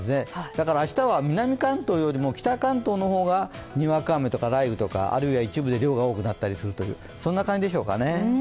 だから明日は、南関東よりも北関東の方がにわか雨とか雷雨とか、一部で量が多くなったりする感じでしょうかね。